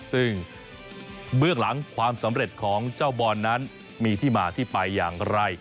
ซึ่งเบื้องหลังความสำเร็จของเจ้าบอลนั้นมีที่มาที่ไปอย่างไร